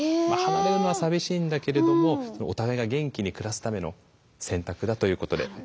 離れるのは寂しいんだけれどもお互いが元気に暮らすための選択だということで。